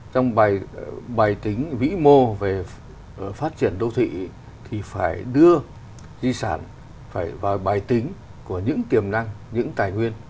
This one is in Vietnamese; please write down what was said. trong bài tính vĩ mô về phát triển đô thị thì phải đưa di sản phải vào bài tính của những tiềm năng những tài nguyên